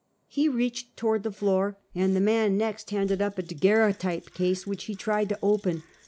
He reached toward the floor, and, the man next hand ed up a daguerreotype case, which he tried to open.